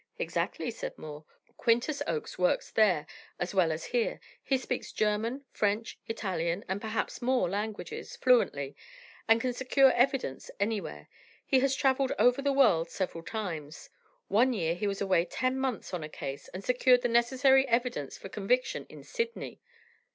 "Exactly," said Moore. "Quintus Oakes works there, as well as here. He speaks German, French, Italian, and perhaps more languages, fluently, and can secure evidence anywhere. He has travelled over the world several times. One year he was away ten months on a case, and secured the necessary evidence for conviction in Sydney."